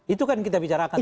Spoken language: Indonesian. itu kan kita bicarakan